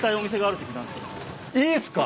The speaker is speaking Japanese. いいっすか？